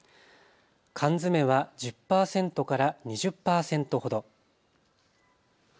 缶詰は１０％から２０％ほど。